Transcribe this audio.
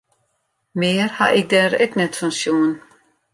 Mear ha ik dêr ek net fan sjoen.